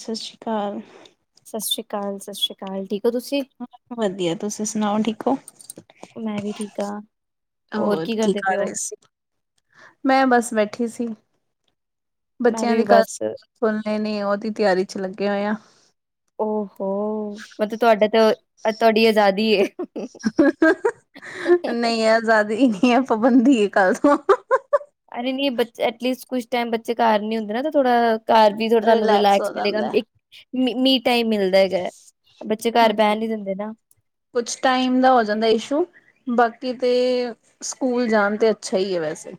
ਸਤਿ ਸ਼੍ਰੀ ਅਕਾਲ। ਸਤਿ ਸ਼੍ਰੀ ਅਕਾਲ ਸਤਿ ਸ਼੍ਰੀ ਅਕਾਲ ਠੀਕ ਓ ਤੁਸੀਂ। ਵਧੀਆ ਤੁਸੀਂ ਸੁਣਾਓ ਠੀਕ ਓ? ਮੈਂ ਵੀ ਠੀਕ ਹਾਂ, ਹੋਰ ਕੀ ਕਰਦੇ ਪਏ ਕਰ ਹੋ? ਰਹੇ ਸੀ? ਮੈਂ ਬਸ ਬੈਠੀ ਸੀ। ਮੈਂ ਬੱਚਿਆਂ ਵੀ ਦੀ ਕੱਲ ਬਸ ਸਕੂਲ਼ ਕਖੁਲਣੇ ਨੇ ਉਹਦੀ ਤਿਆਰੀ ਚ ਲੱਗੇ ਹੋਏ ਆ। ਓ ਹੋ ਮਤਲਬ ਤੁਹਾਡਾ ਤਾਂ ਅੱਜ ਤੁਹਾਡੀ ਆਜ਼ਾਦੀ ਐ। ਨਹੀਂ ਅਜ਼ਾਦੀ ਨੀ ਐ ਪਾਬੰਦੀ ਐ ਕੱਲ ਤੋਂ ਅਰੇ ਨਈ ਐਟਲੀਸਟ ਕੁਛ ਟਾਈਮ ਬੱਚੇ ਘਰ ਨੀ ਹੁੰਦੇ ਨਾ ਤਾਂ ਥੋੜਾ ਘਰ ਵੀ ਥੋੜ੍ਹਾ ਤੁਹਾਨੂੰ ਹੋ ਰਿਲੈਕਸ ਮਿਲੇਗਾ ਜਾਂਦਾ। ਮੀਂਹ ਟਾਈਮ ਮਿਲਦਾ ਹੈਗਾ। ਬੱਚੇ ਘਰ, ਹੂੰ ਬਹਿਣ ਨੀ ਦਿੰਦੇ ਨਾ ਕੁਛ, ਟਾਈਮ ਦਾ ਹੋ ਜਾਂਦਾ ਇਸ਼ੂ ਬਾਕੀ ਤੇ, ਸਕੂਲ ਜਾਣ ਤੇ, ਅੱਛਾ ਹੀ ਹੈ ਵੈਸੇ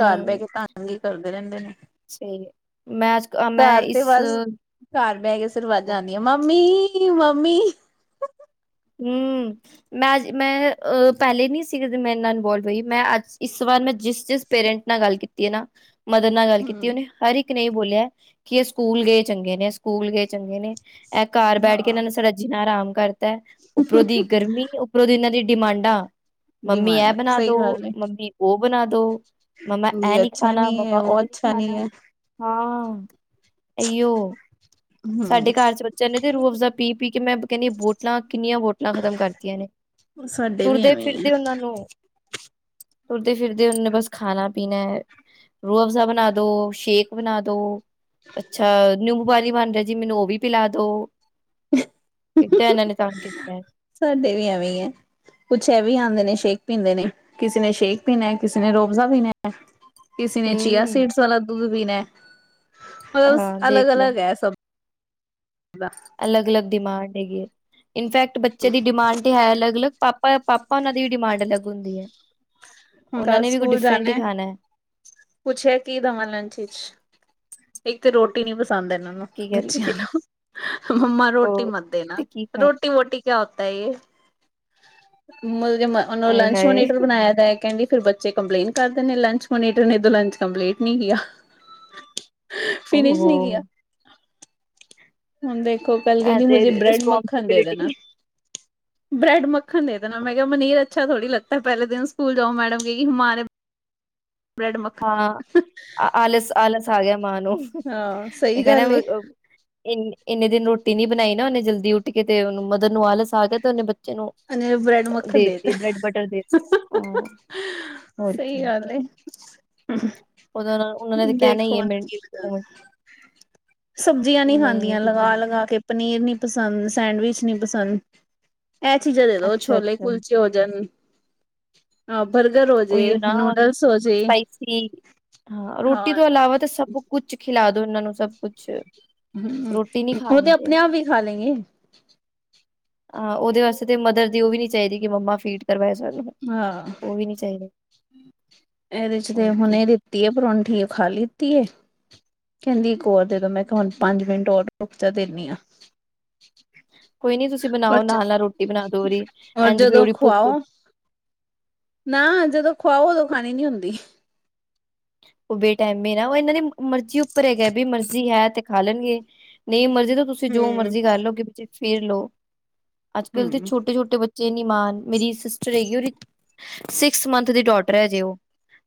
ਘਰ ਬਹਿ ਕੇ, ਤੰਗ ਹੀ ਕਰਦੇ ਰਹਿੰਦੇ ਨੇ, ਸਹੀ ਮੈਂ ਅੱਜ ਮੈਂ ਘਰ ਤੇ ਇਸ ਬਸ ਘਰ ਬਹਿ ਕੇ, ਸ ਰਵਾਜ਼ਾਂ ਆਉਂਦੀਆਂ, ਮੰਮੀ- ਮੰਮੀ ਹਮ, ਮੈਂ ਅਜ, ਮੈਂ ਹ ਪਹਿਲੇ ਨਈ ਸੀ। ਮੇਰੇ ਨਾਲ ਬੋਲ ਪਈ, ਮੈਂ ਅੱਜ ਇਸ ਵਾਰ, ਮੈਂ ਜਿਸ -ਜਿਸ ਪੇਰੈਂਟਸ ਨਾਲ ਗੱਲ ਕੀਤੀ ਨਾ, ਮਦਰ ਨਾਲ ਗੱਲ ਕੀਤੀ ਹੂੰ ਉਹਨੇ, ਹਰ ਇੱਕ, ਨੇ ਬੋਲਿਆ ਕਿ, ਇਹ ਸਕੂਲ ਗਏ ਚੰਗੇ ਨੇ, ਸਕੂਲ ਗਏ ਚੰਗੇ ਨੇ ਇਹ ਘਰ ਬੈਠ ਕੇ, ਹਾਂ ਇਹਨਾਂ ਨੇ ਸਾਡਾ ਜੀਣਾ ਹਾ- ਰਾਮ ਕਰਤਾ, ਉੱਪਰੋਂ ਦੀ ਗਰਮੀ, ਉੱਪਰੋਂ ਦੀ ਇਹਨਾਂ, ਦੀ ਡਿਮਾਂਡਾਂ ਮੰਮੀ, ਇਹ ਡਿਮਾਂਡ ਬਣਾ ਸਹੀ ਦੋ, ਗੱਲ ਏ। ਮੰਮੀ ਉਹ ਬਣਾ ਦੋ ਮਮਾ, ਇਹ ਨਹੀਂੀ ਅੱਛਾ ਖਾਣਾਾ, ਨਹੀਂ ਹੈ ਮਮਾ ਉਹ ਉਹਓ ਨਈ ਅੱਛਾ ਨਹੀਂ ਖਾਣਾ ਹੈ ਹਾਂ ਇਹੀਓ, ਹਮ ਸਾਡੇ ਘਰ ਚ ਬੱਚਿਆਂ ਨੇ ਤੇ ਰੋਐਫ ਪੀ -ਪੀ ਕੇ ਮੈਂ ਕਹਿੰਣੀ ਬੋਟਲਾਂ ਕਿੰਨੀਆਂ ਬੋਤਲਾਂ ਖ਼ਤਮ ਕਰਤੀਆਂ ਨੇ, ਸਾਡੇ ਵੀ ਤੁਰਦੇ- ਐਵੇਂ ਹੀ -ਫਿਰਦੇ ਹੈ ਉਹਨਾਂ ਨੂੰ ਤੁਰਦੇ- ਫਿਰਦੇ ਉਹਨੇ ਬਸ, ਖਾਣਾ ਪੀਣਾ ਰੂਹ ਅਫਜ਼ਾ ਬਣਾ ਦੋ, ਸ਼ੇਕ ਬਣਾ ਦੋ ਅੱਛਾ, ਨੀਬੂ ਪਾਣੀ ਬਣ ਰਿਹਾ ਜੀ, ਮੈਨੂੰ ਉਹ ਵੀ ਪਿਲਾ ਦੋ ਕਿੱਦਾਂ, ਇਹਨਾਂ ਨੇ ਤਗ ਕੀਤਾ ਸਾਡੇ ਵੀ, ਐਵੇਂ ਐ ਕੁਛ ਇਹ ਵੀ, ਆਦੇ ਨੇ ਸ਼ੇਕ ਪੀਂਦੇ ਨੇ, ਕਿਸੇ ਨੇ ਸ਼ੇਕ ਪੀਣਾ, ਕਿਸੇ ਨੇ ਰੋਫਜ਼ਾ ਪੀਣਾ ਕਿਸੀ ਨੇ, ਚੀਆ ਹਮ ਸੀਡਜ਼ ਵਾਲਾ ਦੁੱਧ ਪੀਣਾ ਮਤਲਬ, ਹਾਂ ਅਲੱਗ ਦੇਖ ਲੋ -ਅਲੱਗ ਹੈ ਸਭ ਬਸ। ਅਲੱਗ- ਅਲੱਗ ਡਿਮਾਂਡ ਹੈਗੀ ਏ, ਇਨਫੈਕਟ ਬੱਚੇ, ਦੀ ਡਿਮਾਂਡ ਤੇ ਹੈ ਅਲੱਗ -ਅਲੱਗ ਪਾਪਾ -ਪਾਪਾ ਹੋਣਾ ਦੀ ਵੀ, ਡਿਮਾਂਡ ਅਲੱਗ ਹੁੰਦੀ ਹੈ ਹੁਣ ਉਹਨਾਂ ਕੱਲ ਨੇ ਵੀ, ਕੋਈ ਸਕੂਲ ਡਿਫਰੈਂਟ ਹੀ, ਜਾਣਾ ਖਾਣਾ ਪੁੱਛਿਆ, ਕੀ ਦੇਵਾਂ ਲੰਚ ਵਿਚ, ਇੱਕ ਤਾਂ ਰੋਟੀ ਨਈ, ਪਸੰਦ ਹੈ ਇਹਨਾਂ ਨੂੰ ਕੀ ਕਹਿੰਦੇ ਬੱਚਿਆਂ ਨੂੰ, ਮੰਮਾ ਰੋਟੀ ਉਹ ਮਤ ਦੇਣਾ, ਤੇ ਕੀ ਖਾਣਾ ਰੋਟੀ- ਵੋਟੀ ਕਿਆ ਹੋਤਾ ਏ, ਮੋਮ ਉਨੂੰ ਆਏ ਲੰਚ ਹਾਏ ਮੋਨੀਟਰ ਬਣਾਇਆਦਾ ਏ ਕਹਿੰਦੀ ਫਿਰ ਬੱਚੇ ਕੰਪਲੇਂਟ ਕਰਦੇ ਨੇ, ਲੰਚ ਮੋਨੀਟਰ ਨੇ, ਤੇ ਲੰਚ ਕੰਪਲੇਂਟ ਨਹੀਂ ਕੀ ਆ ਫਿਨਿਸ਼, ਓਹੋ ਨਹੀਂ ਕੀਆ ਹੁਣ ਦੇਖੋ, ਕਲ ਕਹਿਦੀ ਤੇ ਮੁਝੇ ਬ੍ਰੈਡ ਮੱਖਣ ਦੇ ਦੇਨਾ ਰਿਸਪੋਂਸਿਬਿਲਿਟੀ ਬ੍ਰੈਡ ਮੱਖਣ ਦੇ ਦੇਣਾ, ਮੈਂ ਕਿਹਾ, ਮਨੀਰਅੱਛਾ ਥੋੜ੍ਹੀ ਲੱਗਤਾ ਪਹਿਲੇ ਦਿਨ, ਸਕੂਲ ਜਾਓ ਮੈਡਮ ਗਈ ਮਾਂ ਨੇ ਹਾਂ, ਆਲਸ -ਆਲਸ ਆ ਗਿਆ ਮਾਂ ਨੂੰ ਸਹੀ ਇਹ ਕਹਿ ਗੱਲ ਰਿਹਾ ਏ ਇਨੇਂ -ਇੰਨੇ ਦਿਨ ਰੋਟੀ ਨੀ ਬਣਾਈ ਨਾ ਉਹਨੇ ਜਲਦੀ ਉੱਠ ਕੇ, ਤੇ ਉਹਨੂੰ ਮਦਰ ਨੂੰ ਆਲਸ ਆ ਗਿਆ ਤੇ ਉਹਨੇ ਬ ਚਲੋ, ਉਹਨੇ ਬ੍ਰੈਡ ਮੱਖਣ ਦੇਤਾ ਦੇਤੀ ਬ੍ਰੈਡ ਬਟਰ ਦੇ ਤਾ ਸਹੀ ਗੱਲ ਏ ਉਦੋਂ ਉਹਨਾਂ ਨੇ ਤਾਂ ਕਹਿਣਾ ਦੇਖੋ, ਹੀ ਹੈ ਹੁਣ ਮੇ ਕੀ ਪਤਾ ਨਹੀਂ ਸਬਜ਼ੀਆਂ ਨਹੀਂੀ ਨਹੀਂ ਖਾਂਦੀਆਂ, ਤੁਸੀਂ ਲਗਾ -ਲਗਾ ਕੇ, ਪਨੀਰ ਨੀ ਪਸੰਦ, ਸੈਂਡਵਿਚ ਨਹੀਂੀ ਪਸੰਦ ਇਹ ਚੀਜ਼ਾਂ ਦੇ ਦੋ, ਅੱਛਾ ਛੋਲੇ ਅੱਛਾ ਕੁਲਚੇ ਹੋ ਜਾਣ ਅ, ਬਰਗਰ ਹੋ ਜੇ, ਉਹੀਓ ਨਾ ਨੂਡਲਸ ਹੋ ਜੇ ਸਪਾਈਸੀ ਹਾਂ, ਰੋਟੀ ਤੋਂ ਇਲਾਵਾ ਤਾਂ, ਸਭ ਕੁਛ ਖਿਲਾ ਦੋ ਇਹਨਾਂ ਨੂੰ, ਸਭ ਕੁਛ ਹੂੰ ਰੋਟੀ ਨੀ ਉਹ ਤੇ ਖਾਣਗੇ ਆਪਣੇ ਆਪ ਵੀ ਖਾ ਲੈਂਗੇ ਹਾਂ ਉਹਦੇ ਵਾਸਤੇ ਤੇ ਮਦਰ ਦੀ ਉਹ ਵੀ ਨੀ ਚਾਹੀਦੀ ਕਿ ਮੰਮਾ ਫੀਡ ਕਰਵਾਏ ਸਾਨੂੰ ਹਾਂ ਉਹ ਵੀ ਨੀ ਚਾਹੀਦਾ ਇਹਦੇ ਚ ਤੇ ਹੋਰ ਕੀ ਹੁਣੇ ਦਿੱਤੀ ਹੈ ਪਰੌਠੀ ਉਹ ਖਾ ਲਿੱਤੀ ਹੈ। ਕਹਿੰਦੀ ਇੱਕ ਹੋਰ ਦੇ ਦੋ ਮੈਂ ਕਿਹਾ ਹੁਣ ਪੰਜ ਮਿੰਟ ਔਰ ਰੁੱਕ ਚਾ ਦਿੰਦੀ ਹਾਂ। ਕੋਈ ਨੀ ਤੁਸੀਂ ਬਣਾਓ ਨਾਲ ਨਾਲ ਰੋਟੀ ਬਣਾ ਦੋ ਉਹਦੀ [unintelligible] ਹੋਰ ਇੰਝ ਫਿਰ ਜਦੋਂ ਉਹਦੀ ਭੁੱਖ ਖਵਾਓ ਨਾ ਜਦੋਂ ਖਵਾਓ ਉਦੋਂ ਖਾਣੀ ਨੀ ਹੁੰਦੀ ਉਹ ਬੀ ਟਾਈਮ ਨਾ ਉਹ ਇਹਨਾਂ ਦੇ ਮਰਜ਼ੀ ਉੱਪਰ ਹੈਗਾ ਵੀ ਮਰਜ਼ੀ ਹੈ ਤੇ ਖਾ ਲੈਣਗੇ ਨਹੀਂ ਮਰਜ਼ੀ ਤਾਂ ਤੁਸੀਂ ਜੋ ਹਮ ਮਰਜ਼ੀ ਕਰ ਲਓ ਕਿ ਬੱਚੇ ਫਿਰ ਲਓ ਅੱਜ ਕੱਲ ਦੇ ਹਮ ਛੋਟੇ ਛੋਟੇ ਬੱਚੇ ਬੱਚੇ ਨੀਮਾਨ ਮੇਰੀ ਸਿਸਟਰ ਹੈਗੀ ਉਹਦੀ ਸਿਕਸ ਮੰਥ ਦੀ ਡੋਟਰ ਹੈ ਜੇ ਉਹ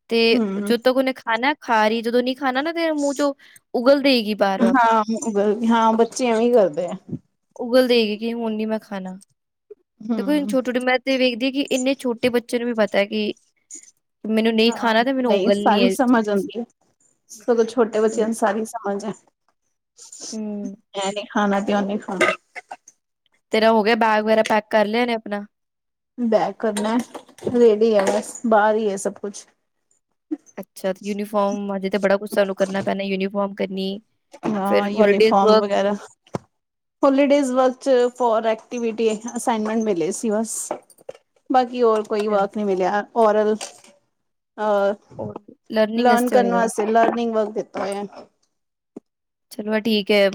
ਤੇ ਹਮ ਜਦ ਤੱਕ ਉਹਨੇ ਖਾਣਾ ਖਾ ਰਹੀ ਜਦੋਂ ਨਹੀਂ ਖਾਣਾ ਤੇਰੇ ਮੂੰਹ ਚੋਂ ਉਗਲ ਦੇਗੀ ਬਾਰ ਵਾਰ ਹਾਂ ਹਾਂ ਬੱਚੇ ਐਵੇਂ ਕਰਦੇ ਆ ਉਗਲ ਦੇਗੀ ਕਿ ਹੁਣ ਨੀ ਮੈਂ ਖਾਣਾ ਦੇਖੋ ਛੋਟੀ ਹਮ ਛੋਟੀ ਮੈਂ ਵੇਖਦੀ ਕਿ ਇੰਨੇ ਛੋਟੇ ਬੱਚੇ ਨੂੰ ਵੀ ਪਤਾ ਕਿ ਮੈਨੂੰ ਨਹੀਂ ਹਾਂ ਖਾਣਾ ਤੇ ਮੈਨੂੰ ਨਹੀਂ ਉਗਲਣੀ ਸਾਰੀ ਹੈ ਇਹ ਸਮਝ ਚੀਜ਼ ਆਉਂਦੀ ਹੈ ਸਗੋਂ ਛੋਟੇ ਬੱਚਿਆਂ ਨੂੰ ਸਾਰੀ ਸਮਝ ਹੈ। ਹਮ ਐ ਨਹੀਂ ਖਾਣਾ ਚਾਹੁੰਦੀ ਹਾਂ। ਤੇਰਾ ਹੋ ਗਿਆ ਬੈਗ ਵਗੈਰਾ ਪੈਕ ਕਰ ਲਿਆ ਨੇ ਆਪਣਾ ਬੈਗ ਕਰਨਾ ਰੇਡੀ ਹੈ ਬਸ ਬਾਹਰ ਹੀ ਹੈ ਸਭ ਕੁੱਛ ਅੱਛਾ ਯੂਨੀਫਾਰਮ ਅਜੇ ਤਾਂ ਬੜਾ ਕੁੱਛ ਸਾਨੂੰ ਕਰਨਾ ਪੈਣਾ ਯੂਨੀਫਾਰਮ ਕਰਨੀ ਹਾਂ ਯੂਨੀਫਾਰਮ ਵਗੈਰਾ holidays work for activity assignment ਮਿਲੇ ਸੀ ਬਸ ਬਾਕੀ ਹੋਰ ਕੋਈ ਵਰਕ ਨਹੀਂ ਮਿਲਿਆ ਔਰ ਆ ਲਰਨ ਕਰਨਾ ਵਾਸਤੇ ਅਸੀਂ ਲਰਨਿੰਗ ਵਰਕ ਦਿੱਤਾ ਹੋਇਆ। ਚਲੋ ਠੀਕ ਹੈ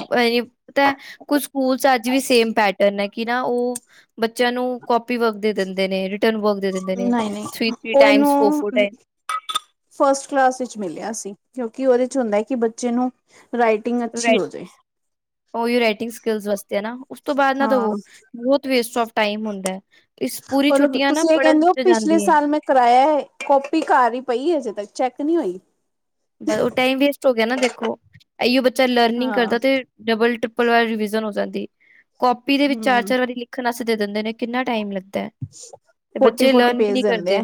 ਪਤਾ ਕੁੱਝ ਸਕੂਲ ਚ ਅੱਜ ਵੀ ਸੇਮ ਪੈਟਰਨ ਹੈ। ਕਿ ਨਾ ਉਹ ਬੱਚਿਆਂ ਨੂੰ ਕਾਪੀ ਵਰਕ ਦੇ ਦਿੰਦੇ ਨੇ ਰਿਟਰਨ ਵਰਕ ਦੇ ਦਿੰਦੇ ਨੇ ਨਹੀਂ ਨਹੀਂ ਥ੍ਰੀ ਥੀ੍ ਉਹ ਟਾਈਮ ਫੋਰ ਇਹਨੂੰ ਫ਼ੋਰ ਟਾਈਮ ਫਸਟ ਕਲਾਸ ਵਿੱਚ ਮਿਲਿਆ ਸੀ ਕਿਉਂਕਿ ਉਹਦੇ ਚ ਹੁੰਦਾ ਕਿ ਬੱਚੇ ਨੂੰ ਰਾਈਟ ਰਾਈਟਿੰਗ ਅੱਛੀ ਹੋ ਜਾਏ ਉਹ ਹੀ ਰਾਈਟਿੰਗ ਸਕਿਲਸ ਵਾਸਤੇ ਨਾਂ ਉਸ ਤੋਂ ਬਾਅਦ ਨਾਂ ਹਾਂ ਬਹੁਤ ਵੇਸਟ ਉਫ਼ ਟਾਇਮ ਹੁੰਦਾ ਹੈ। ਇਸ ਪੂਰੀ ਔਰ ਛੁੱਟੀਆਂ ਨਾ ਤੁਸੀਂ ਇਹ ਪੜ੍ਹਨ ਕਹਿੰਦੇ ਹੋ ਚ ਪਿਛਲੇ ਜਾਂਦੀਆਂ ਸਾਲ ਮੈਂ ਕਰਾਇਆ ਕੋਪੀ ਘਰ ਹੀ ਪਈ ਅਜੇ ਤੱਕ ਚੈੱਕ ਨਹੀਂ ਹੋਈ ਉਹ ਟਾਈਮ ਵੇਸਟ ਹੋ ਗਿਆ ਨਾ ਦੇਖੋ ਇਹੀਓ ਬੱਚਾ ਲਰਨਿੰਗ ਹਾਂ ਕਰਦਾ ਤੇ ਡਬਲ ਟ੍ਰਿਪਲ ਵਾਰ ਰਿਵਿਜ਼ਨ ਹੋ ਜਾਂਦੀ ਕੋਪੀ ਦੇ ਵਿੱਚ ਚਾਰ ਹਮ ਚਾਰ ਵਾਰੀ ਲਿਖਣ ਵਾਸਤੇ ਦੇ ਦਿੰਦੇ ਨੇ ਕਿੰਨਾ ਟਾਈਮ ਲੱਗਦਾ ਹੈ। ਤੇ ਫੋਰਟੀ ਬੱਚੇ ਫੋਰਟੀ ਲਰਨ ਵੀ ਪੇਜ਼ ਨਹੀਂ ਦਿੰਦੇ ਕਰਦੇ ਆ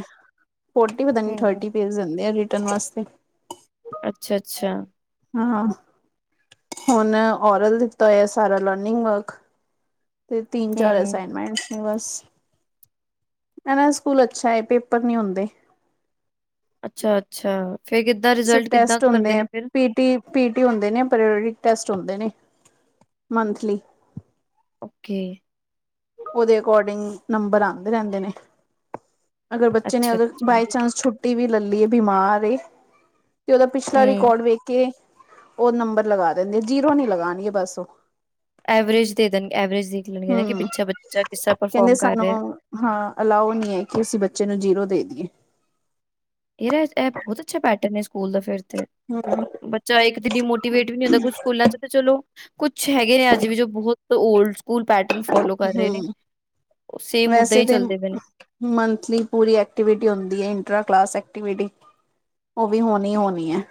ਫੋਰਟੀ ਪਤਾ ਹੂੰ ਥਰਟੀ ਪੇਜ਼ ਦਿੰਦੇ ਆ ਰਿਟਰਨ ਵਾਸਤੇ ਅੱਛਾ- ਅੱਛਾ। ਹਾਂ ਹੁਣ ਔਰਲ ਦਿੱਤਾ ਹੈ ਸਾਰਾ ਲਰਨਿੰਗ ਵਰਕ ਤੇ ਤਿੰਨ ਚਾਰ ਹੂੰ ਅਸਾਈਨਮੈਂਟ ਬਸ ਮੈਮ ਇਹ ਸਕੂਲ ਅੱਛਾ ਹੈ ਪੇਪਰ ਨੀ ਹੁੰਦੇ ਅੱਛਾ ਅੱਛਾ ਫਿਰ ਕਿੱਦਾਂ ਸਿਰਫ ਰਿਜ਼ਲਟ ਕਿੱਦਾਂ ਟੈਸਟ ਕਰਦੇ ਹੁੰਦੇ ਆ ਨੇ ਫਿਰ ਪੀਟੀ ਪੀਟੀ ਹੁੰਦੇ ਨੇ [unintelligible] ਟੇਸਟ ਹੁੰਦੇ ਨੇ ਮਨਥਲੀ ਓਕੇ ਉਹਦੇ ਅਕੋਰਡਿੰਗ ਨੰਬਰ ਆਉਂਦੇ ਰਹਿੰਦੇ ਨੇ ਅਗਰ ਬੱਚੇ ਨੇ ਅੱਛਾ ਅਗਰ ਅੱਛਾ ਬਾਈ ਚਾਂਸ ਛੁੱਟੀ ਛੁੱਟੀ ਵੀ ਲੈ ਲਈ ਬਿਮਾਰ ਏ ਤੇ ਉਹਦਾ ਪਿਛਲਾ ਹੂੰ ਰਿਕਾਰਡ ਵੇਖ ਕੇ ਉਹ ਨੰਬਰ ਲਗਾ ਦਿੰਦੇ, ਜੀਰੋ ਨਹੀਂ ਲਗਾਉਣਗੇ ਬਸ ਉਹ ਐਵਰੇਜ ਦੇ ਦੇਣ ਐਵਰੇਜ ਦੇਖ ਲੇਣਗੇ ਨਾ, ਕਿ ਹਮ ਪਿੱਛੇ ਬੱਚਾ ਕਿਸ ਤਰ੍ਹਾਂ ਕਹਿੰਦੇ ਪਰਫੋਰਮ ਕਰ ਸਾਨੂੰ ਰਿਹਾ। ਹਾਂ, ਅਲਾਓ ਨਹੀਂ ਹੈ ਕਿ ਅਸੀਂ ਬੱਚੇ ਨੂੰ ਜੀਰੋ ਦੇ ਦੀਏ। ਇਹਦਾ, ਇਹ ਬਹੁਤ ਅੱਛਾ ਪੈਟਰਨ ਹੈ ਸਕੂਲ ਦਾ ਫਿਰ ਤੇ ਹਮ [unintelligible] ਬੱਚਾ ਇੱਕ ਤੇ ਡੀ ਮੋਟੀਵੇਟ ਵੀ ਨੀ ਹੁੰਦਾ, ਕੁੱਛ ਸਕੂਲਾਂ 'ਚੱ ਤੇ ਚਲੋ ਕੁੱਛ ਹੈਗੇ ਨੇ ਅੱਜ ਵੀ, ਜੋ ਬਹੁਤ ੳਲਡ ਸ ਸਕੂਲ ਪੈਟਰਨ ਫੋਲੋ ਕਰ ਰਹੇ ਨੇ, ਹਮ ਉਹ ਸੇਮ ਉੱਦਾਂ ਵੈਸੇ ਹੀ ਤੇ ਚੱਲਦੇ ਪਏ ਨੇ। ਮੰਥਲੀ ਪੂਰੀ ਐਕਟੀਵਿਟੀ ਹੁੰਦੀ ਹੈ, ਇੰਟਰਾ ਕਲਾਸ ਐਕਟੀਵਿਟੀ। ਉਹ ਵੀ ਹੋਣੀ, ਹੋਣੀ ਹੈ।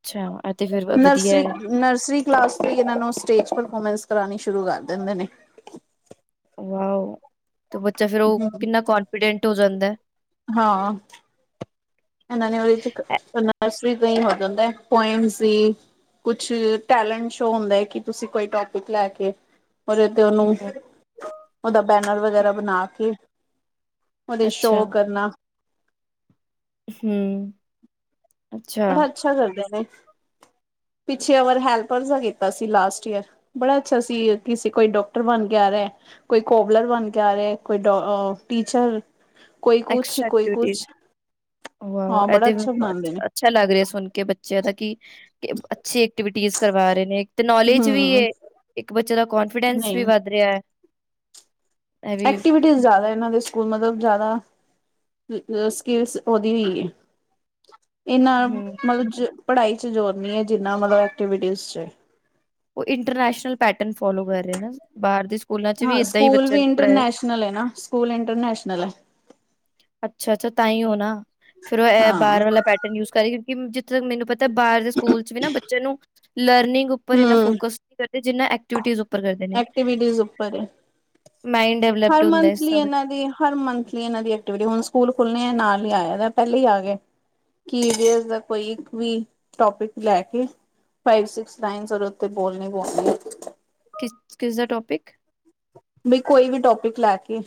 ਅੱਛਾ, ਐ ਤੇ ਫਿਰ ਵਧੀਆ ਨਰਸਰੀ ਨਰਸਰੀ ਕਲਾਸ ' ਤੋਂ ਹੀ ਇਹਨਾਂ ਨੂੰ ਸਟੇਜ ਪਰਫੋਰਮੈਂਸ ਕਰਵਾਉਣੀ ਸ਼ੁਰੂ ਕਰ ਦਿੰਦੇ ਨੇ। ਵਾੳ, ਤੇ ਬੱਚਾ ਫਿਰ ਉਹ ਕਿੰਨਾ ਕੋਨਫੀਡੈਂਟ ਹੋ ਜਾਂਦਾ। ਹਾਂ। ਇਹਨਾਂ ਨੇ ਉਹਦੇ 'ਚ, ਨਰਸਰੀ ਦਾ ਹੀ ਹੋ ਜਾਂਦਾਂ ਪੋਇਮਂਸ ਹੀ ਕੁਛ ਟੈਲੈਂਟ ਸ਼ੋਅ ਹੁੰਦਾ ਹੈ, ਕਿ ਤੁਸੀਂ ਕੋਈ ਟੋਪਿਕ ਲੈ ਕੇ ਉਹਦੇ ਤੇ ੳਹਨੂੰ, ਹੂੰ ਓਦਾ ਪੈਨਲ ਵਗੈਰਾ ਬਣਾ ਕੇ ਉਹਦੇ 'ਚ ਅੱਛਾ ਸ਼ੋਅ ਕਰਨਾ। ਹਮ, ਅੱਛਾ। ਬੜਾ ਅੱਛਾ ਕਰਦੇ ਨੇ, ਪਿੱਛੇ ਇਕ ਵਾਰ ਹੈਲਪਰ ਦਾ ਕੀਤਾ ਸੀ ਲਾਸਟ ਈਅਰ ਬੜਾ ਅੱਛਾ ਸੀ, ਐ ਕਿਸੇ ਕੋਈ ਡਾਕਟਰ ਬਣ ਗਿਆ ਦਾ ਐ ਕੋਈ ਕੋਬਲਰ ਬਣ ਕੇ ਆ ਰਹੇ, ਕੋਈ ਡੋ ਅ ਟੀਚਰ ਕੋਈ ਕੁਛ ਐਕਸਟਰਾ -ਕੋਈ ਕੁਛ, ਐਕਟੀਵਿਟੀਜ਼ ਵਾਓ ਹਾਂ ਇਹ ਬੜਾ ਤੇ ਅੱਛਾ ਮੈਨੂੰ ਬਣਾਉਂਦੇ ਅੱਛ- ਨੇ। ਅੱਛਾ ਲੱਗ ਰਿਹਾ ਸੁਣ ਕੇ ਬਚੇ ਬੱਚਿਆਂ ਦਾ ਕਿ, ਕੀਅ ਅੱਛੀ ਐਕਟੀਵਿਟੀਜ ਕਰਵਾ ਰਹੇ ਨੇ, ਤੇ ਨੌਲੇਜ ਵੀ ਹਮ ਹੈ। ਇੱਕ ਬੱਚੇਆ ਦਾ ਕਨਫੀਡੈਂਸ ਵੀ ਨਹੀਂ ਵੱਧ ਰਿਹਾ ਹੈ। ਇਹ ਵੀ ਐਕਟੀਵਿਟੀਜ਼ ਜ਼ਿਆਦਾ ਇਹਨਾਂ ਦੇ ਸਕੂਲ ਮਤਲਬ, ਜ਼ਿਆਦਾ ਸਕਲਸ ਉਹਦੀ ਹੋਈ ਹੈ ਇਹਨਾ ਹੂੰ ਮਤਲਬ ਪੜ੍ਹਾਈ 'ਚ ਜ਼ੋਰ ਨ ਹੈ, ਜਿੰਨਾ ਮਤਲਬ ਐਕਟੀਵਿਟੀਜ਼ 'ਚ ਐ। ਉਹ ਇੰਟਰਨੈਸ਼ਨਲ ਪੈਟਰਨ ਫੋਲੋ ਕਰ ਰਿਹਾ ਹੈ ਨਾ, ਬਾਹਰ ਦੇ ਸਕੂਲਾਂ 'ਚ ਵੀ ਏਦਾਂ ਹੀ ਬੱਚਿਆਂ ਨੂੰ ਪੜਾਇਆ ਨਾਲ ਇਹ ਹੈ ਨਾ, ਸਕੂਲ ਇੰਟਰਨੈਸ਼ਨਲ ਹੈ। ਅੱਛਾ ਅੱਛਾ ਤਾਂ ਹੀ ਉਹ ਨਾ, ਫਿਰ ਉਹ ਏਹ ਹਾਂ ਬਾਹਰ ਵਾਲਾ ਪੈਟਰਨ ਯੂਜ ਕਰੀ ਕਿ ਜਿੱਥੇ ਤੱਕ ਮੈਨੂੰ ਪਤਾ ਏ ਬਾਹਰ ਦੇ ਸਕੂਲ 'ਚ ਵੀ ਨਾ ਬੱਚੇ ਨੂੰ, ਲਰਨਿੰਗ ਉੱਪਰ ਇੰਨਾ ਹਮ ਫੋਕਸ ਨਹੀਂ ਕਰਦੇ। ਜਿਨ੍ਹਾਂ ਐਕਟੀਵਿਟੀਜ਼ ਉਪਰ ਕਰਦੇ ਨੇ। ਐਕਟੀਵਿਟੀਜ਼ ਉੱਪਰ ਹੈ ਮਾਇੰਡ ਹਰ ਡਿਵਲਪਡ ਹੁੰਦਾ ਇਸ ਮੰਥਲੀ ਤਰ੍ਹਾਂ ਬਚੇ ਇਹਨਾਂ ਦੀ ਹਰ ਮੰਥਲੀ ਇਹਨਾਂ ਦੀ ਐਕਟੀਵਿਟੀ, ਹੁਣ ਸਕੂਲ ਖੁੱਲ੍ਹਣੇ ਹੈ ਨਾਲ ਹੀ ਆਇਆ ਪਹਿਲੇ ਹੀ ਆ ਗਏ ਕੀ ਦਾ ਕੋਈ ਇੱਕ ਵੀ ਟੋਪਿਕ ਲੈ ਕੇ [unintelligible] ਫਾਈਵ, ਸਿਕਸ, ਨਾਈਨ ਉਹਦੇ ਉੱਤੇ ਬੋਲਣੀ ਹੀ ਬੋਲਣੀ ਐ। ਕਿਸ, ਕਿਸ ਦਾ ਟੋਪਿਕ? ਵੀ ਕੋਈ ਵੀ ਟੋਪਿਕ ਲੈ ਕੇ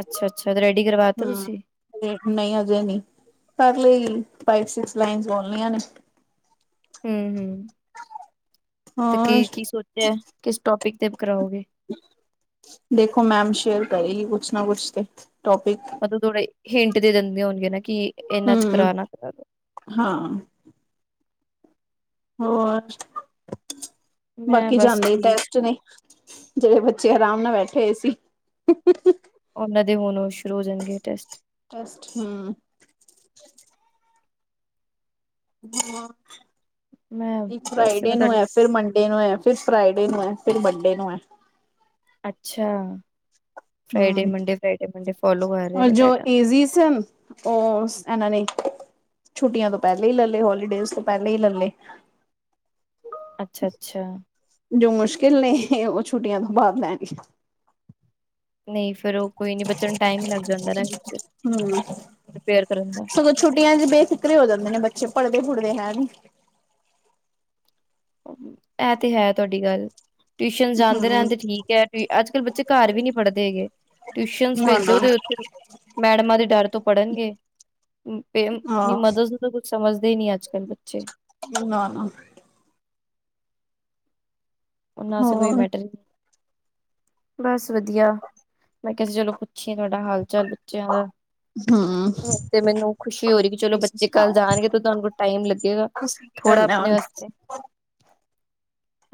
ਅੱਛਾ ਅੱਛਾ, ਰੈਡੀ ਕਰਵਾਤਾ ਹੂੰ ਤੁਸੀਂ? ਨਹੀਂ ਹਜੇ ਨਹੀਂੀ, ਕਰ ਲੈਗੀ, ਫਾਈਫ ਸੀਕਸ ਲਾਈਨਸ ਬੋਲਣੀਆਂ ਨੇ। ਹਮ ਹਮ, ਤੇ ਹੋਰ ਕੀ ਕੀ ਸੋਚਿਆ ਏ, ਕਿਸ ਟੋਪਿਕ ਤੇ ਕਰਾਓਗੇ? ਦੇਖੋ ਮੈਮ ਸ਼ੇਅਰ ਕਰੇਗੀ ਕੁਛ ਨਾ ਕੁਛ ਤੇ, ਟੋਪਿਕ ਮਤਲਬ ਥੋੜੇ ਹਿੰਟ ਦੇ ਦਿੰਦੀਆਂ ਹੋਣਗੀਆਂ ਨਾ, ਕਿ ਇਹਨਾਂ ਹੂੰ 'ਚ ਕਰਾ ਨਾ ਕਰਾ ਦੋ ਹਾਂ। ਹੋਰ, ਮੈਂ ਬਾਕੀ ਬਸ ਜਾਂਦੇ ਈ ਠੀਕ ਟੈਸਟ ਨੇ। ਜਿਹੜੇ ਬੱਚੇ ਆਰਾਮ ਨਾਲ ਬੈਠੇ ਹੋਏ ਸੀ। ਉਹਨਾਂ ਦੇ ਹੁਣ ਸ਼ੁਰੂ ਹੋ ਜਾਣਗੇ ਟੈਸਟ ਟੈਸਟ ਹੂੰ, [unintelligible] ਮੈਂ ਇੱਕ ਬਸ ਫਰਾਈਡੇ ਮੈਂ ਨੂੰ ਤੁਹਾਡੀ ਐ ਫਿਰ ਮੰਡੇ ਨੂੰ ਐ ਫਿਰ ਫਰਾਈਡੇ ਨੂੰ ਐ ਫਿਰ ਵੱਡੇ ਨੂੰ ਐ। ਅੱਛਾ, ਫਰਾਈਡੇ ਹਮ ਮੰਡੇ ਫਰਾਈਡੇ ਮੰਡੇ ਫੋਲੋ ਕਰ ਰਹੇ ਔਰ ਨੇ ਜੋ ਪੈਟਰਨ ਈਜੀ ਸਨ। ਉਹ ਸ ਇਹਨਾਂ ਨੇ ਛੁੱਟੀਆਂ ਤੋਂ ਪਹਿਲੇ ਹੀ ਲੈ ਲਏ ਹੋਲੀਡੇਜ਼ ਤੋਂ ਪਹਿਲੇ ਹੀ ਲੈਲੇ। [inaudible] ਅੱਛਾ-ਅੱਛਾ। ਜੋ ਮੁਸ਼ਕਿਲ ਨੇ ਉਹ ਛੁੱਟੀਆਂ ਤੋਂ ਬਾਦ ਲੈਣਗੇ। ਨਹੀਂ ਫ਼ਿਰ ਉਹ ਕੋਈ ਨੀ ਬੱਚਿਆਂ ਨੂੰ ਟਾਈਮ ਲੱਗ ਜਾਂਦਾ ਏ ਨਾ ਵਿੱਚ, ਹਮ ਪੇਅਰ ਕਰਨ ਦਾ। ਸਗੋਂ ਛੁੱਟੀਆਂ ਚ ਬੇਫਿਕਰੇ ਹੋ ਜਾਂਦੇ ਨੇ ਬੱਚੇ, ਪੜ੍ਹਦੇ ਪੜ੍ਹਦੇ ਹੈ ਨੀ। ਇਹ ਤੇ ਹੈ ਤੁਹਾਡੀ ਗੱਲ। ਟਿਊਸ਼ਨ ਜਾਂਦੇ ਹਮ ਰਹਿਦੇ ਠੀਕ ਐ, ਅੱਜ ਕੱਲ ਬੱਚੇ ਘਰ ਵੀ ਨੀ ਪੜ੍ਹਦੇ ਹੈਗੇ। ਟਿਊਸ਼ਨ ਨਾ ਨਾ ਭੇਜੋ ਤੇ ਉੱਥੇ ਮੈਡਮਾਂ ਦੇ ਡਰ ਤੋਂ ਪੜ੍ਹਨਗੇ, ਨੇ ਅਪਣੀ ਆਹ ਮਦਦ ਕੁਛ ਸਮਝਦੇ ਹੀ ਨੀ ਅੱਜ-ਕੱਲ੍ਹ ਬੱਚੇ। ਨਾ, ਨਾ ਐਸਾ ਕੋਈ ਹੋਰ ਮੈਟਰ ਬਸ ਵਧੀਆ, ਮੈਂ ਕਿਹਾ ਸੀ ਚਲੋ ਪੁੱਛੀਏ ਤੁਹਾਡਾ ਹਾਲ ਚਾਲ ਬੱਚਿਆਂ ਦਾ ਹੂੰ, ਹੂੰ ਤੇ ਮੈਨੂੰ ਖੁਸ਼ੀ ਹੋ ਰੀ ਕਿ ਚਲੋ ਬੱਚੇ ਕੱਲ ਜਾਣਗੇ ਤੇ ਤੁਹਾਨੂੰ ਟਾਈਮ ਲੱਗੇਗਾ। ਬਸ ਥੋੜਾ ਕਰਨਾ ਆਪਣੇ ਹੁਣ। ਵਾਸਤੇ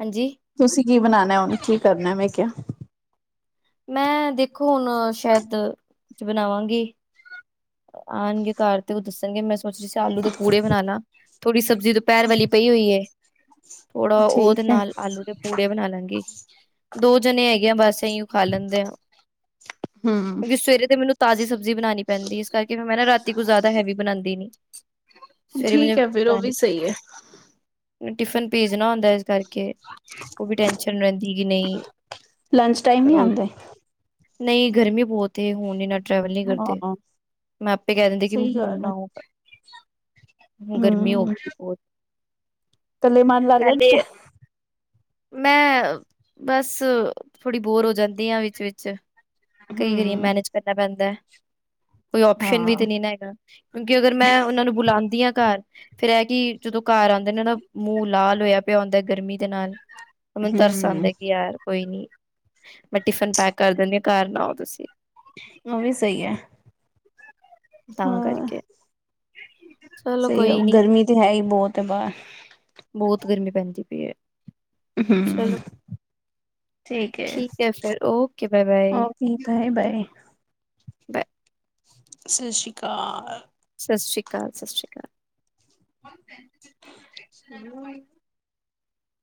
ਹਾਂਜੀ, ਤੁਸੀਂ ਕੀ ਬਣਾਣਾ ਉਹਨੂੰ ਕੀ ਕਰਨਾ ਮੈਂ ਕਿਹਾ? ਮੈਂ ਦੇਖੋ ਹੁਣ ਸ਼ਾਇਦ ਚ ਬਣਾਵਾਂਗੀ। ਆਣਗੇ ਘਰ ਤੇ ਉਹ ਦੱਸਣਗੇ ਮੈਂ [unintelligible] ਆਲੂ ਦੇ ਪੂੜੇ ਬਣਾਣਾ ਥੋੜੀ ਸਬਜ਼ੀ ਦੁਪਹਿਰ ਵਾਲੀ ਪਈ ਹੋਈ ਐ। ਥੋੜਾ ਉਹਦੇ ਠੀਕ ਹੈ ਨਾਲ ਆਲੂ ਦੇ ਪੂੜੇ ਬਣਾ ਲਾਂਗੀ। ਦੋ ਜਣੇ ਹੈਗੇ ਆ ਬਸ ਅਈ ਓ ਖਾ ਲੈਂਦੇ ਐ, ਹਮ ਕਿਉਂਕਿ ਸਵੇਰੇ ਦੇ ਮੈਨੂੰ ਤਾਜ਼ੀ ਸਬਜ਼ੀ ਬਣਾਣੀ ਪੈਂਦੀ ਐ, ਇਸ ਕਰਕੇ ਮੈਂ ਨਾ ਰਾਤੀ ਕੋ ਜ਼ਿਆਦਾ ਹੈਵੀ ਬਣਾਦੀ ਨੀ। ਠੀਕ ਹੈ ਫਿਰ ਉਹ ਵੀ ਸਹੀ ਹੈ [unintelligible] ਟਿਫਨ ਭੇਜਣਾ ਹੁੰਦਾ ਇਸ ਕਰ ਕੇ ਉਹ ਵੀ ਟੈਸ਼ਨ ਰਹਿੰਦੀ ਕਿ ਨਹੀਂ ਲੰਚ ਟਾਈਮ ਨਹੀਂ ਅਹ। ਆਉਂਦੇ। ਨਹੀਂ ਗਰਮੀ ਬਹੁਤ ਐ ਹੁਣ ਇਹਨਾਂ ਟਰੈਵਲ ਨੀ ਕਰਦੇ। ਹਾਂ ਮੈਂ ਆਪੇ ਕਹਿ ਦਿੰਦੀ ਕਿ ਸਹੀ ਹੁਣ ਗੱਲ ਹੈ। ਨਾ ਹੋਊਗਾ, ਗਰਮੀ ਹੋ ਹਮ ਗਈ ਬਹੁਤ ਕੱਲੇ ਮੰਨ ਲੱਗ ਜਾਦਾ ਐ? ਮੈਂ ਬਸ, ਥੋੜ੍ਹੀ ਬੋਰ ਹੋ ਜਾਂਦੀ ਆ ਵਿੱਚ ਵਿਚ ਕੀ ਕਰੀਏ ਹਮ। ਮੈਨੇਜ ਕਰਨਾ ਪੈਂਦਾ, ਕੋਈ ਔਪਸ਼ਨ ਵੀ ਹਾਂ। ਤੇ ਨੀ ਨਾ ਹੈਗੀ। ਕਿਉਂਕਿ ਅਗਰ ਮੈਂ ਉਹਨਾਂ ਨੂੰ ਬੁਲਾਉਂਦੀ ਆ ਘਰ ਫੇਰ ਇਹ ਕਿ ਜਦੋਂ ਘਰ ਆਦੇ ਦੇ ਨਾ ਮੂੰਹ ਲਾਲ ਹੋਇਆ ਪਿਆ ਹੁੰਦਾ ਗਰਮੀ ਦੇ ਨਾਲ ਮੈਨੂੰ ਤਰਸ ਹਮ ਆਦਾ ਕਿ ਯਾਰ ਕੋਈ ਨੀ, ਮੈਂ ਟਿਫਨ ਪੈਕ ਕਰ ਦਿੰਨੀ ਆ ਘਰ ਨਾ ਆਓ ਤੁਸੀਂ। ਉਹ ਵੀ ਸਹੀ ਐ। ਤਾਂ ਕਰਕੇ, ਚਲੋ ਸਹੀ ਕੋਈ ਨੀ ਗਰਮੀ ਤੇ ਹੈ ਹੀ ਬਹੁਤ ਬਾਹਰ ‌ ਬਹੁਤ ਗਰਮੀ ਪੈਂਦੀ ਪਈ ਹੈ। ਹੂੰ ਚਲੋ ਠੀਕ ਹੈ। ਫਿਰ ਓਕੇ ਬਾਏ ਬਾਏ ‌ ਠੀਕ ਆਏ ਬਏ। ਬਾਏ ਸਤਿ ਸ਼੍ਰੀ ਅਕਾਲ ਸਤਿ ਸ਼੍ਰੀ ਅਕਾਲ ਸਤਿ ਸ਼੍ਰੀ ਅਕਾਲ। [unintelligible]